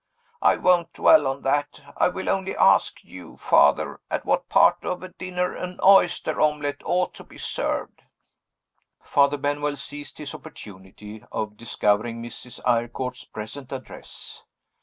I won't dwell on that. I will only ask you, Father, at what part of a dinner an oyster omelet ought to be served?" Father Benwell seized his opportunity of discovering Mrs. Eyrecourt's present address.